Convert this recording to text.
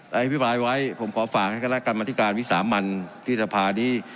ได้พิพลายไว้ผมขอฝากให้กรรมนาฬิการวิสามัณฑ์ที่ทรภานี้